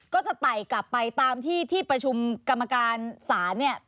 ก็จะไต่กลับไปตามที่ประชุมกรรมการศาล